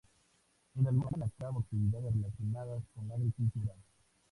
En algunos zonas se llevan a cabo actividades relacionadas con la agricultura.